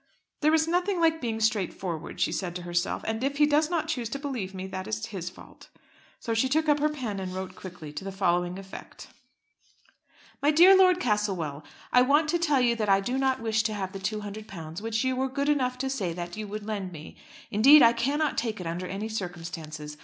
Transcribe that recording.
"There is nothing like being straightforward," she said to herself, "and if he does not choose to believe me, that is his fault." So she took up her pen, and wrote quickly, to the following effect: MY DEAR LORD CASTLEWELL, I want to tell you that I do not wish to have the £200 which you were good enough to say that you would lend me. Indeed I cannot take it under any circumstances.